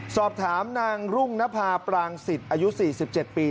สอบถามนางรุ่งนภาปรางสิทธิ์อายุ๔๗ปี